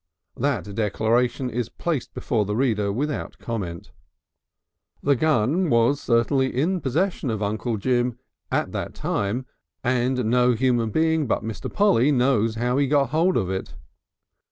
That declaration is placed before the reader without comment. The gun was certainly in possession of Uncle Jim at that time and no human being but Mr. Polly knows how he got hold of it.